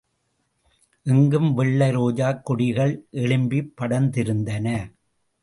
எங்கும் வெள்ளை ரோஜாக் கொடிகள் எழும்பிப் படர்ந்திருந்தன.